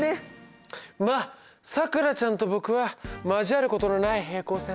まあさくらちゃんと僕は交わることのない平行線。